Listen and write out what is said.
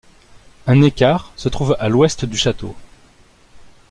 Un écart se trouve à l'ouest du château.